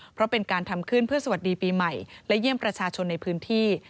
เพราะเป็นการทำขึ้นเพื่อสวัสดีปีใหม่และเยี่ยมประชาชนในพื้นที่